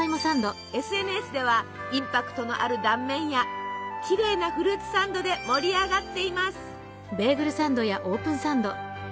ＳＮＳではインパクトのある断面やきれいなフルーツサンドで盛り上がっています。